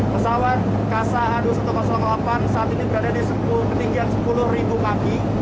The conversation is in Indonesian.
pesawat kasa dua ratus dua belas saat ini berada di ketinggian sepuluh ribu kaki